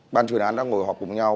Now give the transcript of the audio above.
ban chuyên án đang ngồi họp cùng nhau